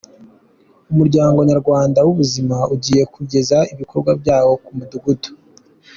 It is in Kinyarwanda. Umuryango nyarwanda w’ubuzima ugiye kugeza ibikorwa byawo ku mudugudu